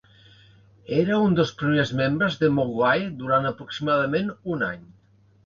Era un dels primers membres de Mogwai durant aproximadament un any.